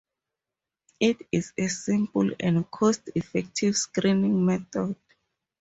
It is a simple and cost effective screening method.